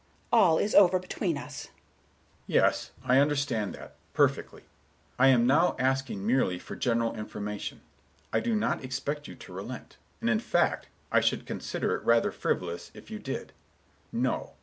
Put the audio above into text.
All is over between us." Mr. Richards: "Yes, I understand that, perfectly. I am now asking merely for general information. I do not expect you to relent, and, in fact, I should consider it rather frivolous if you did. No.